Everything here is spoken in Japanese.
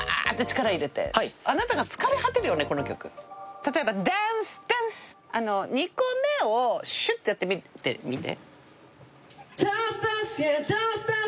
例えばダンス、ダンス、２個目をしゅっとやってみてみて。